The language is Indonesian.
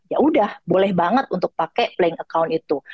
yaudah boleh banget untuk pake playing account itu